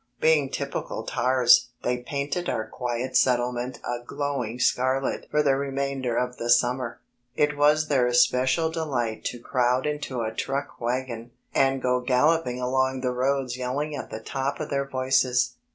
Being typical tars, they painted our quiet setdement a glowing scarlet for the remainder of the summer. It was their especial delight to crowd into a truck wagon, and go galloping along the roads yelling at the top of their voices.